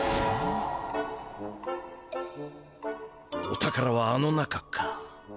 お宝はあの中か。